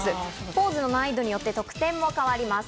ポーズの難易度によって得点も変わります。